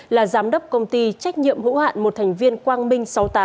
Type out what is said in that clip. là giám đốc công ty trách nhiệm hữu hạn một thành viên quang minh sáu mươi tám